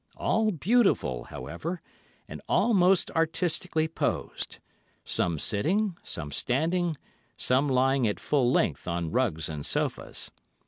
All beautiful, however, and all most artistically posed; some sitting, some standing, some lying at full length on rugs and sofas.